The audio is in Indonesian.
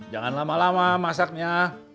jangan lama lama masaknya